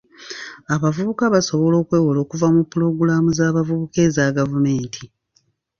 Abavubuka basobola okwewola okuva mu pulogulaamu z'abavubuka eza gavumenti.